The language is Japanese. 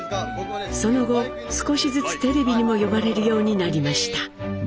その後少しずつテレビにも呼ばれるようになりました。